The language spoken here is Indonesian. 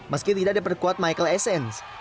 meski tidak diperkuat michael essence